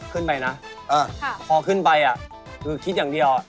ขึ้นไปนะพอขึ้นไปคือคิดอย่างเดียว